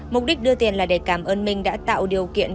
mục đích đưa tiền là để cảm ơn minh đã tạo điều kiện